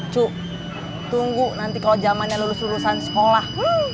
cu tunggu nanti kalau jamannya lulus lulusan sekolah